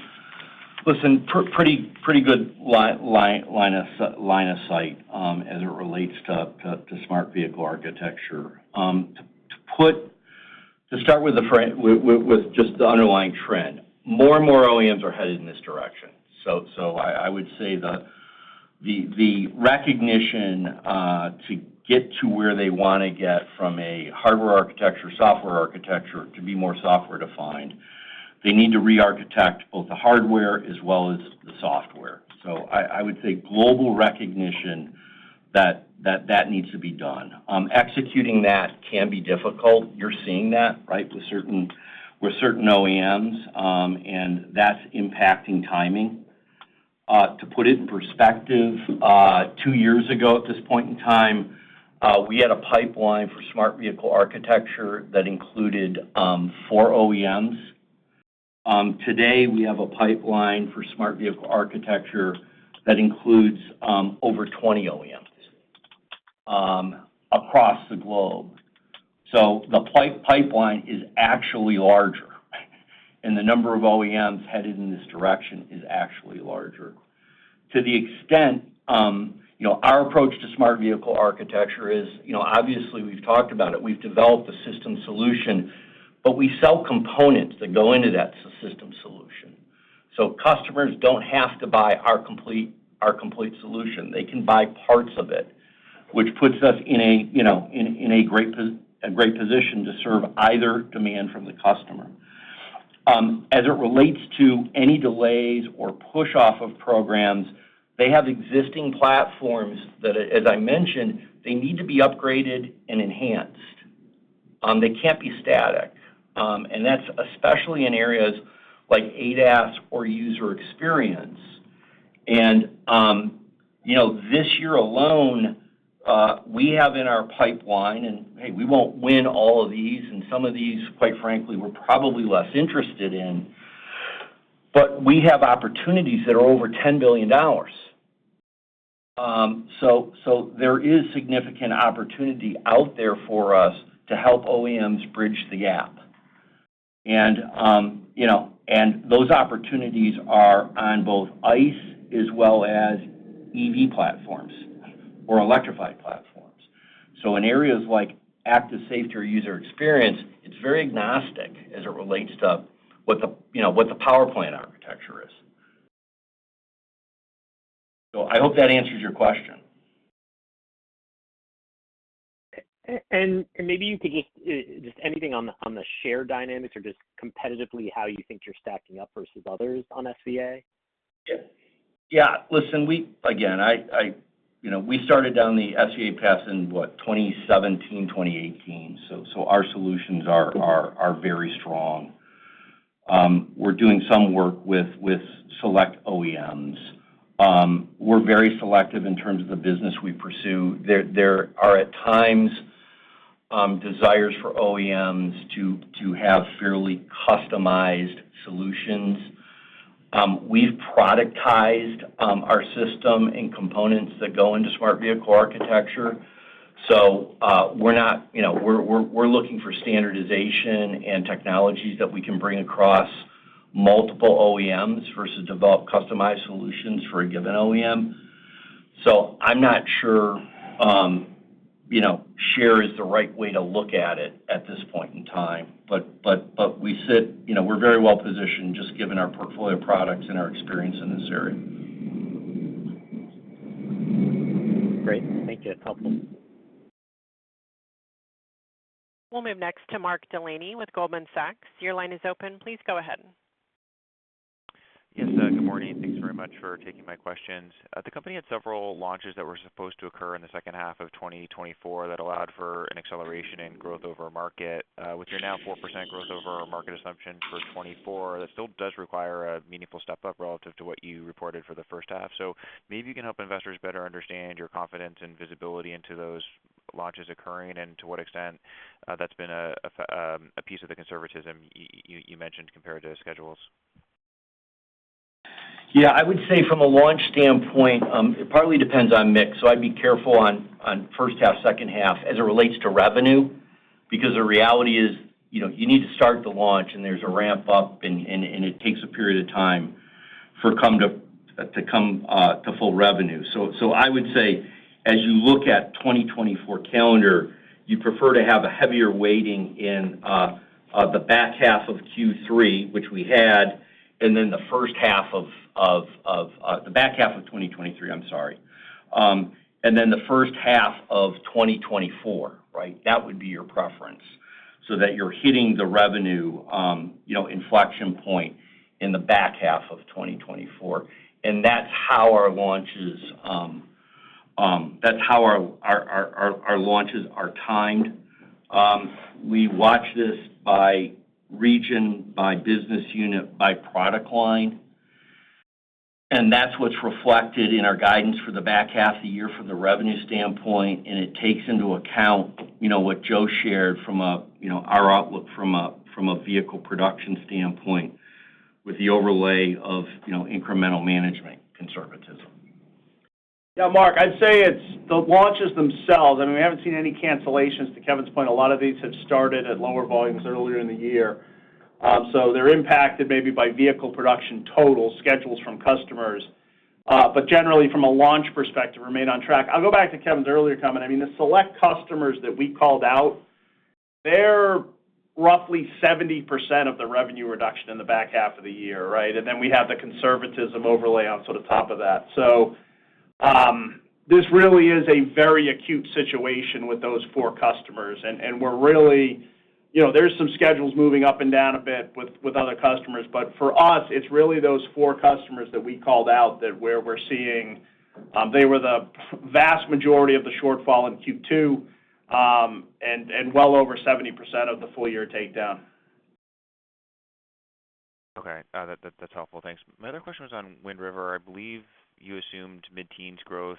listen, pretty good line of sight as it relates to Smart Vehicle Architecture. To start with just the underlying trend, more and more OEMs are headed in this direction. So I would say the recognition to get to where they want to get from a hardware architecture, software architecture to be more software-defined, they need to re-architect both the hardware as well as the software. So I would say global recognition that that needs to be done. Executing that can be difficult. You're seeing that, right, with certain OEMs. And that's impacting timing. To put it in perspective, two years ago at this point in time, we had a pipeline for Smart Vehicle Architecture that included four OEMs. Today, we have a pipeline for Smart Vehicle Architecture that includes over 20 OEMs across the globe. So the pipeline is actually larger, and the number of OEMs headed in this direction is actually larger. To the extent our approach to Smart Vehicle Architecture is obviously, we've talked about it. We've developed a system solution, but we sell components that go into that system solution. So customers don't have to buy our complete solution. They can buy parts of it, which puts us in a great position to serve either demand from the customer. As it relates to any delays or push-off of programs, they have existing platforms that, as I mentioned, they need to be upgraded and enhanced. They can't be static. And that's especially in areas like ADAS or user experience. And this year alone, we have in our pipeline - and hey, we won't win all of these. And some of these, quite frankly, we're probably less interested in. But we have opportunities that are over $10 billion. So there is significant opportunity out there for us to help OEMs bridge the gap. And those opportunities are on both ICE as well as EV platforms or electrified platforms. So in areas like active safety or user experience, it's very agnostic as it relates to what the power plant architecture is. So I hope that answers your question. And maybe you could just—just anything on the share dynamics or just competitively how you think you're stacking up versus others on SVA? Yeah. Listen, again, we started down the SVA path in, what, 2017, 2018. So our solutions are very strong. We're doing some work with select OEMs. We're very selective in terms of the business we pursue. There are, at times, desires for OEMs to have fairly customized solutions. We've productized our system and components that go into Smart Vehicle Architecture. So we're looking for standardization and technologies that we can bring across multiple OEMs versus develop customized solutions for a given OEM. So I'm not sure share is the right way to look at it at this point in time. But we're very well positioned just given our portfolio products and our experience in this area. Great. Thank you. Helpful. We'll move next to Mark Delaney with Goldman Sachs. Your line is open. Please go ahead. Yes. Good morning. Thanks very much for taking my questions. The company had several launches that were supposed to occur in the second half of 2024 that allowed for an acceleration in growth over market, with your now 4% growth over market assumption for 2024. That still does require a meaningful step up relative to what you reported for the first half. So maybe you can help investors better understand your confidence and visibility into those launches occurring and to what extent that's been a piece of the conservatism you mentioned compared to schedules. Yeah. I would say from a launch standpoint, it probably depends on mix. So I'd be careful on first half, second half as it relates to revenue because the reality is you need to start the launch, and there's a ramp up, and it takes a period of time to come to full revenue. So I would say as you look at the 2024 calendar, you'd prefer to have a heavier weighting in the back half of Q3, which we had, and then the first half of the back half of 2023, I'm sorry. And then the first half of 2024, right? That would be your preference so that you're hitting the revenue inflection point in the back half of 2024. And that's how our launches, that's how our launches are timed. We watch this by region, by business unit, by product line. And that's what's reflected in our guidance for the back half of the year from the revenue standpoint. And it takes into account what Joe shared from our outlook from a vehicle production standpoint with the overlay of incremental management conservatism. Yeah. Mark, I'd say it's the launches themselves. I mean, we haven't seen any cancellations. To Kevin's point, a lot of these have started at lower volumes earlier in the year. So they're impacted maybe by vehicle production totals, schedules from customers. But generally, from a launch perspective, we remain on track. I'll go back to Kevin's earlier comment. I mean, the select customers that we called out, they're roughly 70% of the revenue reduction in the back half of the year, right? And then we have the conservatism overlay on sort of top of that. So this really is a very acute situation with those four customers. And we're really. There's some schedules moving up and down a bit with other customers. But for us, it's really those four customers that we called out where we're seeing they were the vast majority of the shortfall in Q2 and well over 70% of the full year takedown. Okay. That's helpful. Thanks. My other question was on Wind River. I believe you assumed mid-teens growth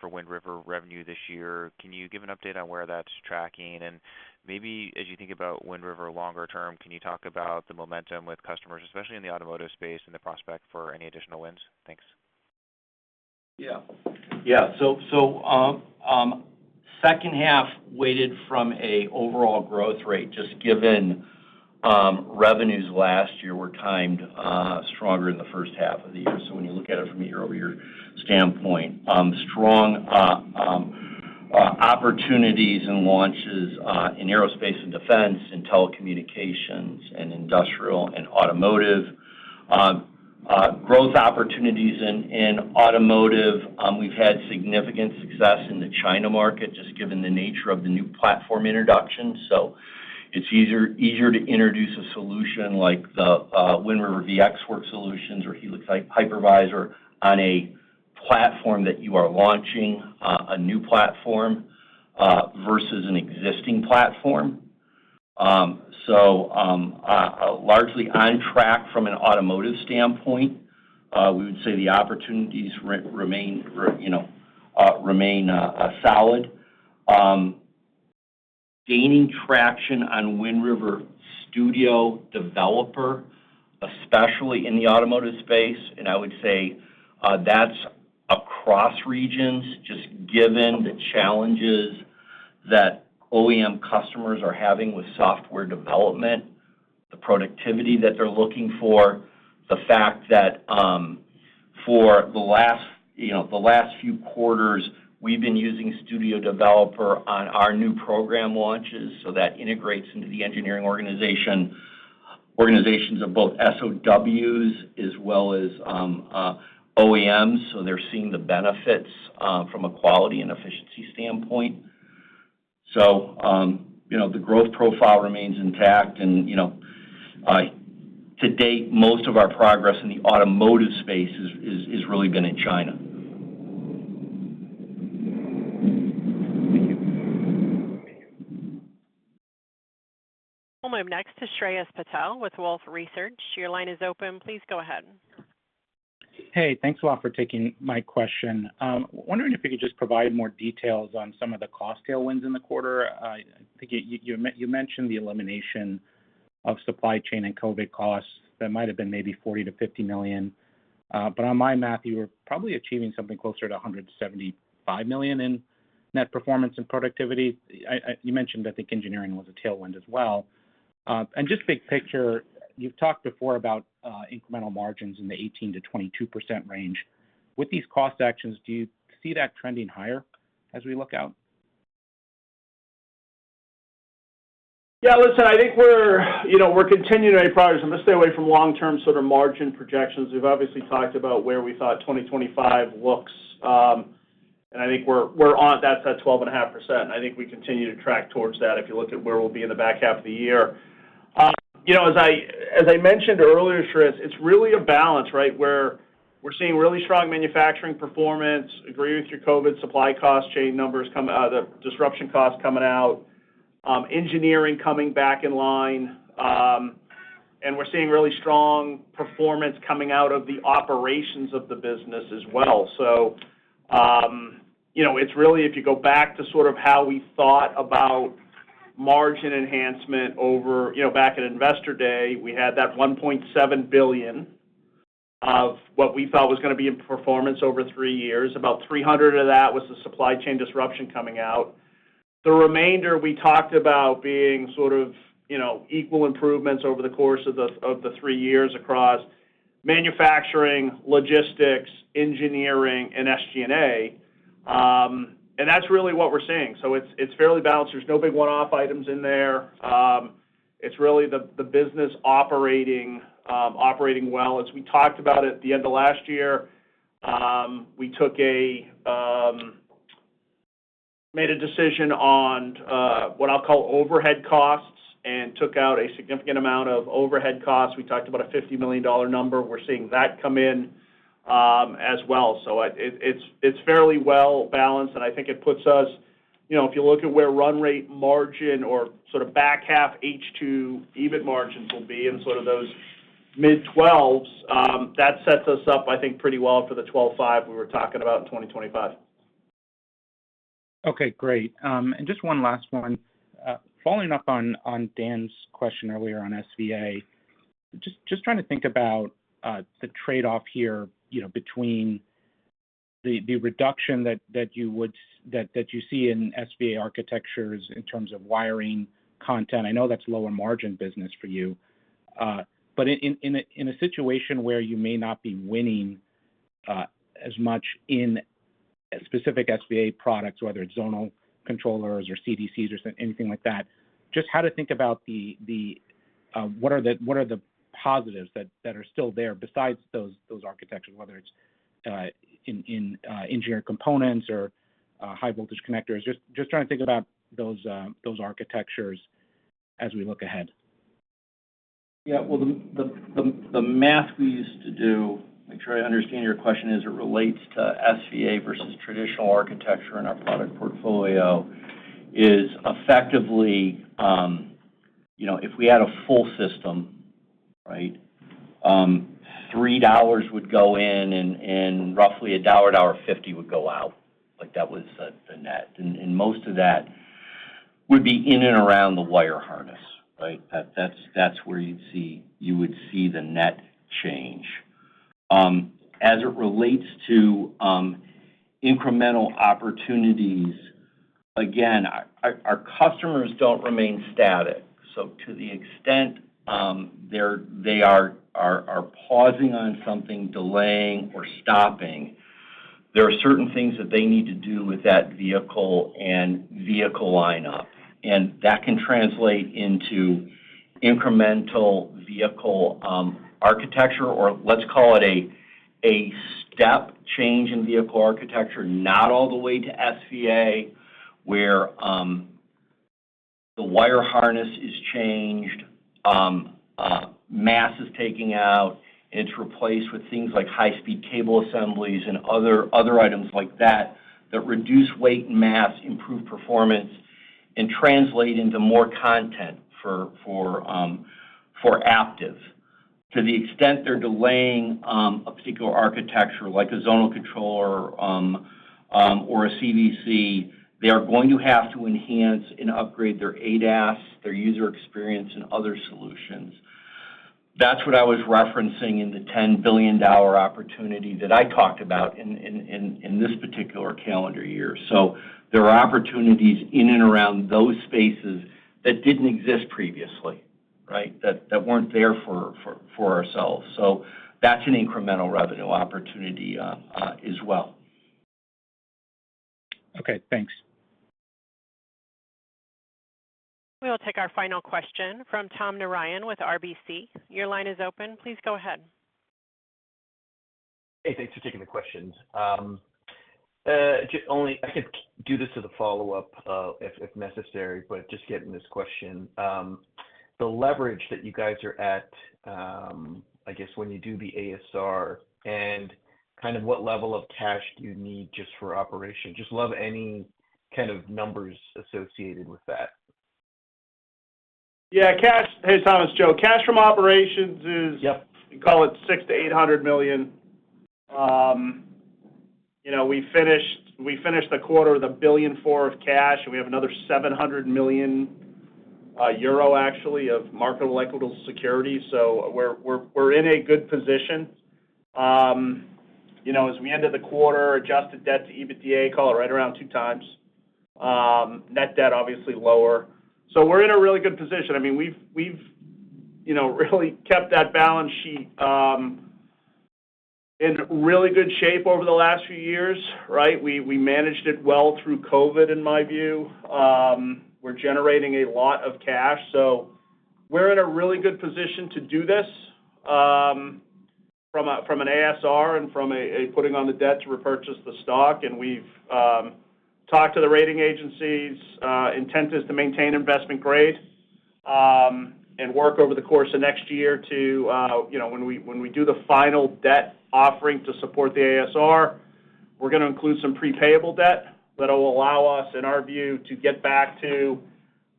for Wind River revenue this year. Can you give an update on where that's tracking? And maybe as you think about Wind River longer term, can you talk about the momentum with customers, especially in the automotive space, and the prospect for any additional wins? Thanks. Yeah. Yeah. So second-half weighted from an overall growth rate just given revenues last year were timed stronger in the first half of the year. So when you look at it from a year-over-year standpoint, strong opportunities and launches in aerospace and defense and telecommunications and industrial and automotive. Growth opportunities in automotive. We've had significant success in the China market just given the nature of the new platform introduction. So it's easier to introduce a solution like the Wind River VxWorks solutions or Helix Hypervisor on a platform that you are launching, a new platform versus an existing platform. So largely on track from an automotive standpoint, we would say the opportunities remain solid. Gaining traction on Wind River Studio Developer, especially in the automotive space. And I would say that's across regions just given the challenges that OEM customers are having with software development, the productivity that they're looking for, the fact that for the last few quarters, we've been using Studio Developer on our new program launches. So that integrates into the engineering organizations of both SOWs as well as OEMs. So they're seeing the benefits from a quality and efficiency standpoint. So the growth profile remains intact. And to date, most of our progress in the automotive space has really been in China. Thank you. We'll move next to Shreyas Patil with Wolfe Research. Your line is open. Please go ahead. Hey. Thanks a lot for taking my question. Wondering if you could just provide more details on some of the cost tailwinds in the quarter. I think you mentioned the elimination of supply chain and COVID costs that might have been maybe $40 million to $50 million. But on my math, you were probably achieving something closer to $175 million in net performance and productivity. You mentioned, I think, engineering was a tailwind as well. And just big picture, you've talked before about incremental margins in the 18% to 22% range. With these cost actions, do you see that trending higher as we look out? Yeah. Listen, I think we're continuing to make progress. And let's stay away from long-term sort of margin projections. We've obviously talked about where we thought 2025 looks. And I think we're on track, that's at 12.5%. And I think we continue to track towards that if you look at where we'll be in the back half of the year. As I mentioned earlier, Shreyas, it's really a balance, right, where we're seeing really strong manufacturing performance, agree with your COVID supply cost chain numbers, the disruption costs coming out, engineering coming back in line. And we're seeing really strong performance coming out of the operations of the business as well. So it's really, if you go back to sort of how we thought about margin enhancement over back at Investor Day, we had that $1.7 billion of what we thought was going to be in performance over three years. About $300 million of that was the supply chain disruption coming out. The remainder we talked about being sort of equal improvements over the course of the three years across manufacturing, logistics, engineering, and SG&A. And that's really what we're seeing. So it's fairly balanced. There's no big one-off items in there. It's really the business operating well. As we talked about at the end of last year, we made a decision on what I'll call overhead costs and took out a significant amount of overhead costs. We talked about a $50 million number. We're seeing that come in as well. So it's fairly well balanced. And I think it puts us, if you look at where run rate margin or sort of back half H2 EBIT margins will be in sort of those mid-12s, that sets us up, I think, pretty well for the 12.5 we were talking about in 2025. Okay. Great. And just one last one. Following up on Dan's question earlier on SVA, just trying to think about the trade-off here between the reduction that you see in SVA architectures in terms of wiring content. I know that's lower margin business for you. But in a situation where you may not be winning as much in specific SVA products, whether it's zonal controllers or CVCs or anything like that, just how to think about what are the positives that are still there besides those architectures, whether it's in engineered components or high-voltage connectors. Just trying to think about those architectures as we look ahead. Yeah. Well, the math we used to do, make sure I understand your question as it relates to SVA versus traditional architecture in our product portfolio, is effectively, if we had a full system, right, $3 would go in and roughly $1 to $1.50 would go out. That was the net. And most of that would be in and around the wire harness, right? That's where you would see the net change. As it relates to incremental opportunities, again, our customers don't remain static. So to the extent they are pausing on something, delaying, or stopping, there are certain things that they need to do with that vehicle and vehicle lineup. And that can translate into incremental vehicle architecture or let's call it a step change in vehicle architecture, not all the way to SVA where the wire harness is changed, mass is taken out, and it's replaced with things like high-speed cable assemblies and other items like that that reduce weight and mass, improve performance, and translate into more content for Aptiv. To the extent they're delaying a particular architecture like a zonal controller or a CVC, they are going to have to enhance and upgrade their ADAS, their user experience, and other solutions. That's what I was referencing in the $10 billion opportunity that I talked about in this particular calendar year. So there are opportunities in and around those spaces that didn't exist previously, right, that weren't there for ourselves. So that's an incremental revenue opportunity as well. Okay. Thanks. We will take our final question from Tom Narayan with RBC. Your line is open. Please go ahead. Hey. Thanks for taking the questions. I can do this as a follow-up if necessary, but just getting this question. The leverage that you guys are at, I guess, when you do the ASR and kind of what level of cash do you need just for operations? Just love any kind of numbers associated with that. Yeah. Hey, Tom, it's Joe. Cash from operations is, we call it, $600 million to $800 million. We finished the quarter with $1.4 billion of cash. We have another 700 million euro, actually, of marketable securities. So we're in a good position. As we ended the quarter, adjusted debt to EBITDA, call it right around 2x. Net debt, obviously, lower. So we're in a really good position. I mean, we've really kept that balance sheet in really good shape over the last few years, right? We managed it well through COVID, in my view. We're generating a lot of cash. So we're in a really good position to do this from an ASR and from a putting on the debt to repurchase the stock. And we've talked to the rating agencies. Intent is to maintain investment grade and work over the course of next year to, when we do the final debt offering to support the ASR, we're going to include some prepayable debt that will allow us, in our view, to get back to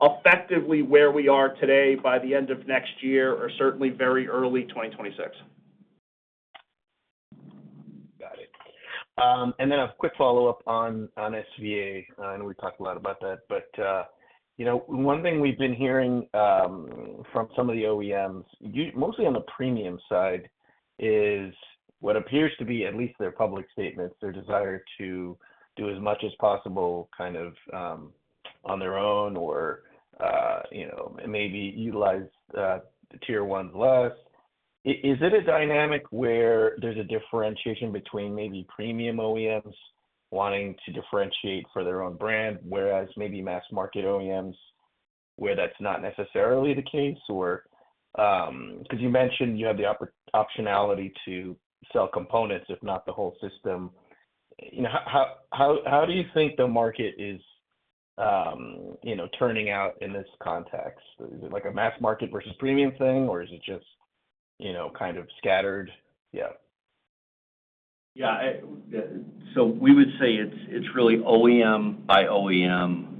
effectively where we are today by the end of next year or certainly very early 2026. Got it. And then a quick follow-up on SVA. I know we've talked a lot about that. But one thing we've been hearing from some of the OEMs, mostly on the premium side, is what appears to be, at least their public statements, their desire to do as much as possible kind of on their own or maybe utilize tier ones less. Is it a dynamic where there's a differentiation between maybe premium OEMs wanting to differentiate for their own brand, whereas maybe mass-market OEMs, where that's not necessarily the case? Because you mentioned you have the optionality to sell components, if not the whole system. How do you think the market is turning out in this context? Is it like a mass-market versus premium thing, or is it just kind of scattered? Yeah. Yeah. So we would say it's really OEM by OEM.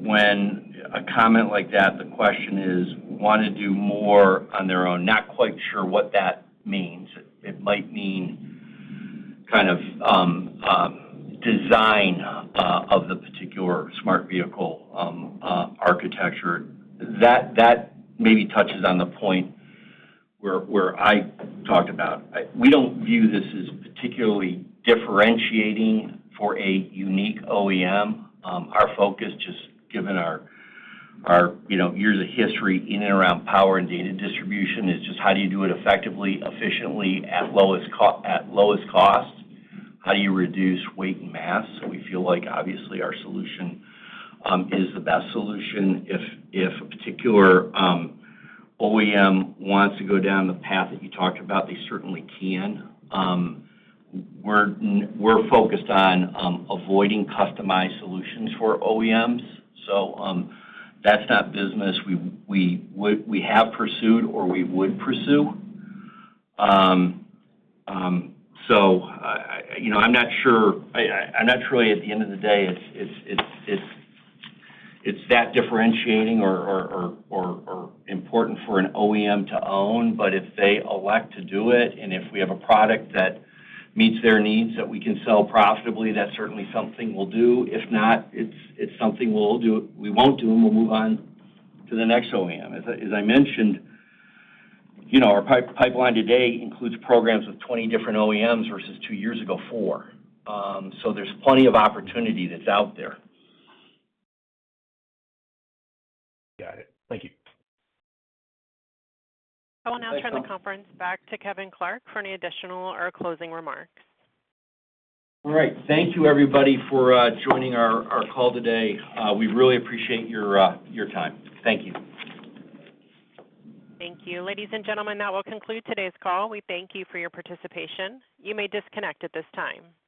When a comment like that, the question is, want to do more on their own. Not quite sure what that means. It might mean kind of design of the particular Smart Vehicle Architecture. That maybe touches on the point where I talked about. We don't view this as particularly differentiating for a unique OEM. Our focus, just given our years of history in and around power and data distribution, is just how do you do it effectively, efficiently, at lowest cost? How do you reduce weight and mass? We feel like, obviously, our solution is the best solution. If a particular OEM wants to go down the path that you talked about, they certainly can. We're focused on avoiding customized solutions for OEMs. So that's not business we have pursued or we would pursue. So I'm not sure. I'm not sure at the end of the day if it's that differentiating or important for an OEM to own. But if they elect to do it, and if we have a product that meets their needs that we can sell profitably, that's certainly something we'll do. If not, it's something we won't do, and we'll move on to the next OEM. As I mentioned, our pipeline today includes programs with 20 different OEMs versus two years ago, 4. So there's plenty of opportunity that's out there. Got it. Thank you. I will now turn the conference back to Kevin Clark for any additional or closing remarks. All right. Thank you, everybody, for joining our call today. We really appreciate your time. Thank you. Thank you. Ladies and gentlemen, that will conclude today's call. We thank you for your participation. You may disconnect at this time.